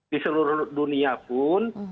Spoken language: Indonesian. di seluruh dunia pun